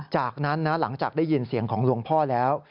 จากนั้นนะหลังจากได้ยินเสียงของหลวงพ่อแล้ว